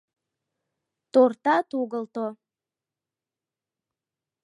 Торта тугылто.